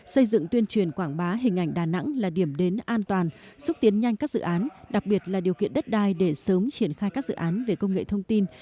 xây dựng tuyên truyền quảng bá hình ảnh đà nẵng là điểm đến an toàn xúc tiến nhanh các dự án đặc biệt là điều kiện đất đai để sớm triển khai các dự án về công nghệ thông tin